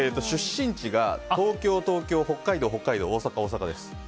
出身地が東京、東京、北海道、北海道大阪、大阪です。